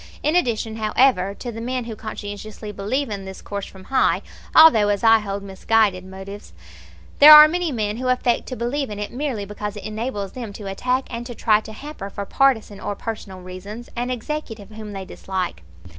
In addition, however, to the men who conscientiously believe in this course from high, although as I hold misguided, motives, there are many men who affect to believe in it merely because it enables them to attack and to try to hamper, for partisan or personal reasons, an executive whom they dislike.